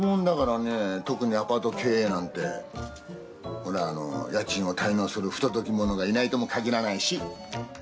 ほらあの家賃を滞納する不届き者がいないとも限らないし！